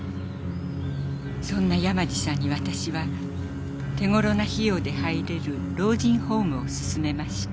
そんな山路さんに私は手頃な費用で入れる老人ホームをすすめました。